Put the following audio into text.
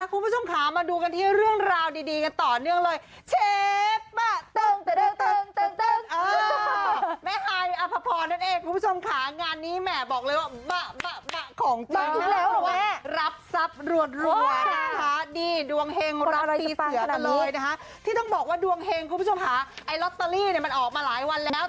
คุณผู้ชมขามาดูมันที่เรื่องราวดีต่อเนื่องเลย